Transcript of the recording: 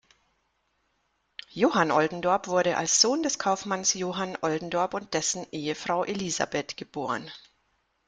Johann Oldendorp wurde als Sohn des Kaufmanns Johann Oldendorp und dessen Ehefrau Elisabeth geb.